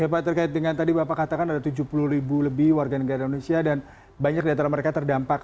ya pak terkait dengan tadi bapak katakan ada tujuh puluh ribu lebih warga negara indonesia dan banyak di antara mereka terdampak